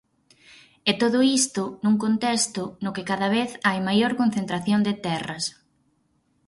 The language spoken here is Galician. E todo isto nun contexto no que cada vez hai maior concentración de terras.